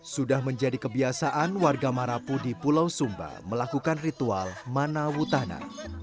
sudah menjadi kebiasaan warga marapu di pulau sumba melakukan ritual manawutana